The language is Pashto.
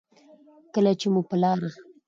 کله چې مو په لاره